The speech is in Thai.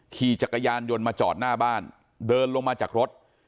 ขี่จักรยานยนต์มาจอดหน้าบ้านเดินลงมาจากรถ